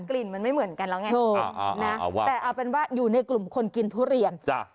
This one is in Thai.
กลิ่นมันไม่เหมือนกันแล้วไงแต่เอาเป็นว่าอยู่ในกลุ่มคนกินทุเรียน